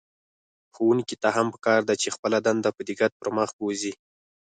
ښوونکي ته هم په کار ده چې خپله دنده په دقت پر مخ بوځي.